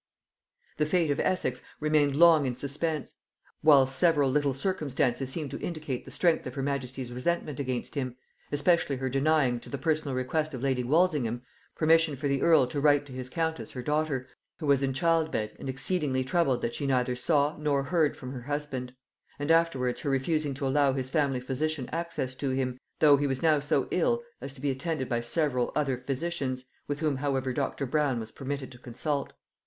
]The fate of Essex remained long in suspense; while several little circumstances seemed to indicate the strength of her majesty's resentment against him; especially her denying, to the personal request of lady Walsingham, permission for the earl to write to his countess, her daughter, who was in childbed and exceedingly troubled that she neither saw nor heard from her husband; and afterwards her refusing to allow his family physician access to him, though he was now so ill as to be attended by several other physicians, with whom however Dr. Brown was permitted to consult.